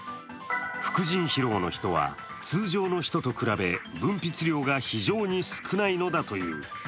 副腎疲労の人は、通常の人と比べ分泌量が非常に少ないのだという。